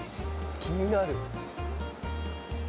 気になる。